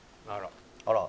「あら」